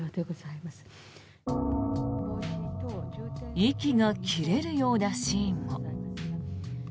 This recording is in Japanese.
息が切れるようなシーンも。